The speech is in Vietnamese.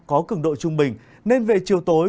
có cường độ trung bình nên về chiều tối